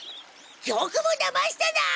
よくもだましたな！